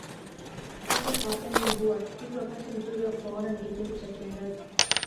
sokwe hawapendi mvua hivyo wakati mzuri wa kuwaona ni kipindi cha kiangazi